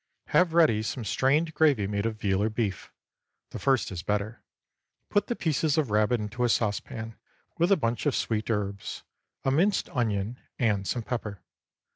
Have ready some strained gravy made of veal or beef—the first is better; put the pieces of rabbit into a saucepan, with a bunch of sweet herbs, a minced onion, and some pepper.